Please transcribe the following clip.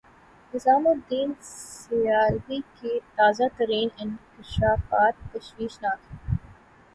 نظام الدین سیالوی کے تازہ ترین انکشافات تشویشناک ہیں۔